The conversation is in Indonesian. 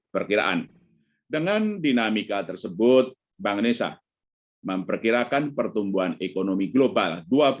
perkiraan dengan dinamika tersebut bank indonesia memperkirakan pertumbuhan ekonomi global